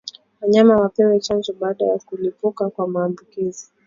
Wanyama wapewe chanjo baada ya kulipuka kwa maambukizi